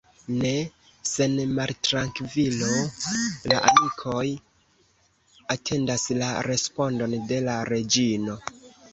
Ne sen maltrankvilo la amikoj atendas la respondon de la reĝino.